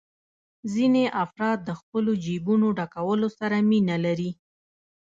ځینې افراد د خپلو جېبونو ډکولو سره مینه لري